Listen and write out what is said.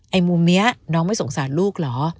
ไอ้มูเมี๊ยะน้องไม่สงสารลูกหรอ